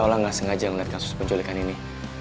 allah enggak sengaja melihat kasus penculikan ini